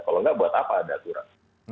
kalau nggak buat apa ada aturan